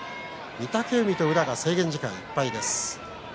御嶽海と宇良制限時間いっぱいです。